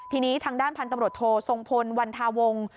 ทีนี้ทางด้านพันธุ์ตำรวจโททรงพลวันทาวงศ์